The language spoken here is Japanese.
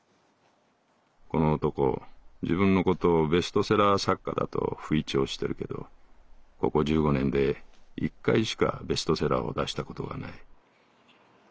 この男自分のことをベストセラー作家だと吹聴してるけどココ十五年で一回しかベストセラーを出したことがない」。